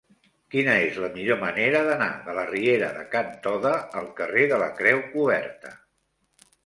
Quina és la millor manera d'anar de la riera de Can Toda al carrer de la Creu Coberta?